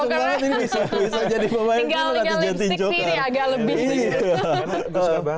tinggal lipstick diri agak lebih